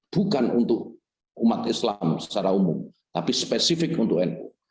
bukan untuk umat islam secara umum tapi spesifik untuk nu